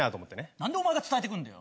なんでお前が伝えてくんだよ？